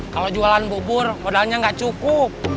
kalau jualan bubur modalnya nggak cukup